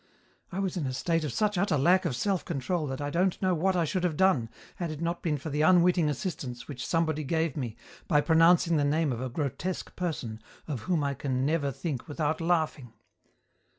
I was in a state of such utter lack of self control that I don't know what I should have done had it not been for the unwitting assistance which somebody gave me by pronouncing the name of a grotesque person of whom I can never think without laughing.